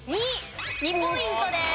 ２ポイントです。